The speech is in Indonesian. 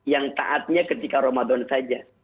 yang taatnya ketika ramadan saja